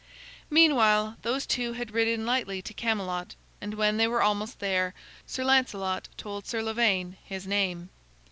Meanwhile those two had ridden lightly to Camelot, and when they were almost there, Sir Lancelot told Sir Lavaine his name.